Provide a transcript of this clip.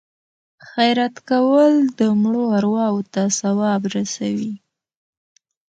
خیرات کول د مړو ارواو ته ثواب رسوي.